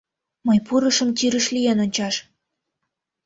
Мый пурышым тирыш лӱен ончаш.